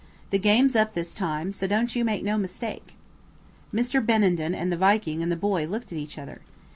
The game's up this time, so don't you make no mistake." Mr. Benenden and the Viking and the boy looked at each other.